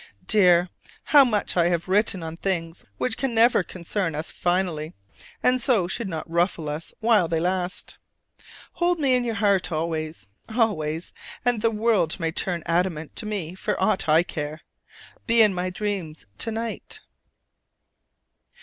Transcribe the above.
Dear, how much I have written on things which can never concern us finally, and so should not ruffle us while they last! Hold me in your heart always, always; and the world may turn adamant to me for aught I care! Be in my dreams to night!